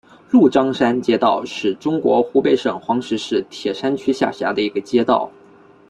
鹿獐山街道是中国湖北省黄石市铁山区下辖的一个街道。